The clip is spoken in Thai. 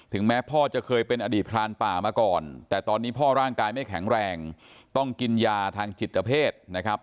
แม้พ่อจะเคยเป็นอดีตพรานป่ามาก่อนแต่ตอนนี้พ่อร่างกายไม่แข็งแรงต้องกินยาทางจิตเพศนะครับ